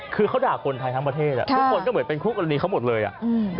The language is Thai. คือเขาด่าคนไทยทั้งประเทศอ่ะทุกคนก็เหมือนเป็นคู่กรณีเขาหมดเลยอ่ะอืม